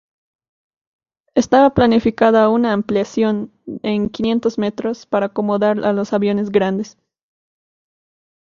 Estaba planificada una ampliación en quinientos metros para acomodar a los aviones grandes.